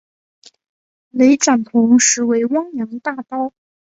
雷展鹏实为汪洋大盗。